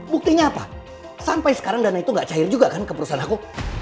buktinya apa sampai sekarang dana itu nggak cair juga kan ke perusahaan aku